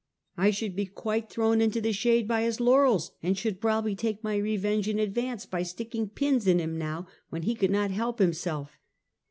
I should be quite thrown into the shade by his laurels, and should probably take my revenge in advance by sticking pins in him now, when he could not help himself.